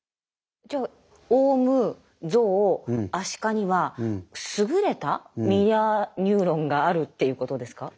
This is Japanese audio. じゃあオウムゾウアシカには優れたミラーニューロンがあるっていうことですか？